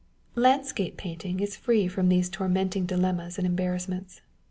Landscape painting is free from these tormenting dilemmas and embarrassments.